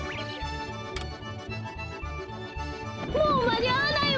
もうまにあわないわ！